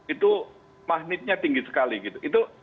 itu magnetnya tinggi sekali gitu